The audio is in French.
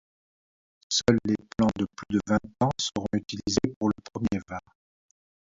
Seuls les plants de plus de vingt ans seront utilisés pour le premier vin.